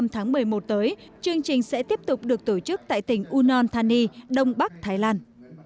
tháng một mươi một tới chương trình sẽ tiếp tục được tổ chức tại tỉnh unon thani đông bắc thái lan